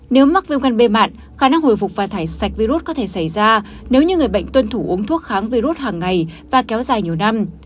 nếu mắc viêm gan b mạng khả năng hồi phục và thải sạch virus có thể xảy ra nếu như người bệnh tuân thủ uống thuốc kháng virus hàng ngày và kéo dài nhiều năm